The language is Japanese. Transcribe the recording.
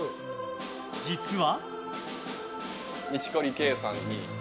実は。